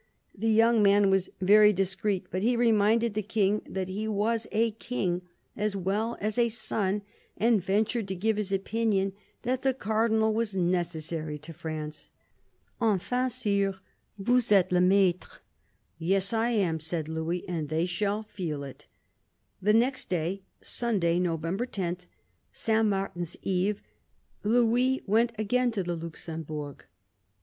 The young man was very dis creet ; but he reminded the King that he was a king, as well as a son, and ventured to give his opinion that " the Cardinal was necessary to France." " Enfin, sire, vous etes le maitre." " Yes, I am," said Louis, " and they shall feel it." The next day — Sunday, November 10, St. Martin's Eve Louis went again to the Luxembourg.